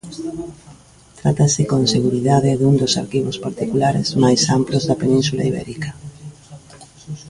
Trátase, con seguridade, dun dos arquivos particulares máis amplos da Península Ibérica.